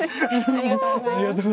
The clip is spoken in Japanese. ありがとうございます。